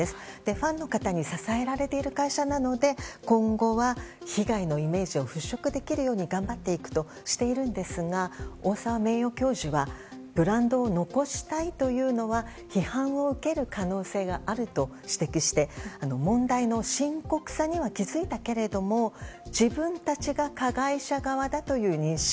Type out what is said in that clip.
ファンの方に支えられている会社なので今後は、被害のイメージを払拭できるように頑張っていくとしているんですが大沢名誉教授はブランドを残したいというのは批判を受ける可能性があると指摘して問題の深刻さには気づいたけれども自分たちが加害者側だという認識。